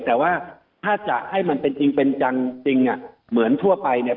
แต่ว่าถ้าจะให้มันเป็นจริงเป็นจังจริงอ่ะเหมือนทั่วไปเนี่ย